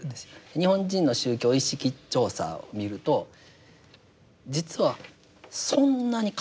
日本人の宗教意識調査を見ると実はそんなに変わってないですよね。